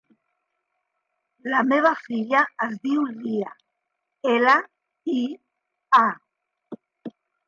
La meva filla es diu Lia: ela, i, a.